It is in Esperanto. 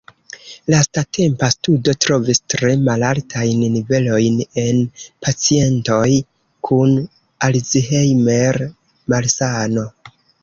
Lastatempa studo trovis tre malaltajn nivelojn en pacientoj kun Alzheimer-malsano.